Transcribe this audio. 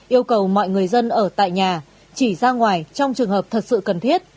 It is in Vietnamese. yêu cầu mọi người dân ở tại nhà chỉ ra ngoài trong trường hợp thật sự cần thiết